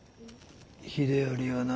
秀頼をな。